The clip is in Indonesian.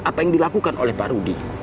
apa yang dilakukan oleh pak rudi